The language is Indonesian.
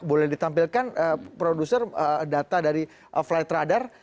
boleh ditampilkan produser data dari flight radar